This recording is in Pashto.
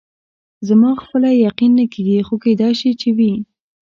زما خپله یقین نه کېږي، خو کېدای شي چې وي.